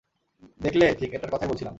দেখলে, ঠিক এটার কথাই বলছিলাম।